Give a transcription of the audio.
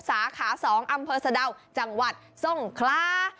สาขา๒อำเภอสะดาวจังหวัดทรงคลา